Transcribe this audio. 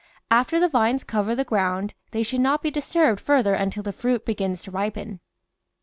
After the vines cover the ground they should not be disturbed further until the fruit begins to ripen.